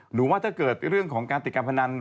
ว่าถ้าเกิดเรื่องของการติดการพนัน